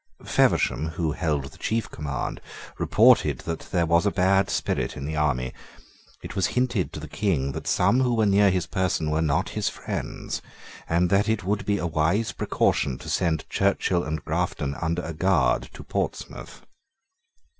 Feversham, who held the chief command, reported that there was a bad spirit in the army. It was hinted to the King that some who were near his person were not his friends, and that it would be a wise precaution to send Churchill and Grafton under a guard to Portsmouth.